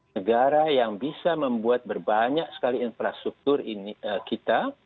negara yang bisa membuat berbanyak sekali infrastruktur kita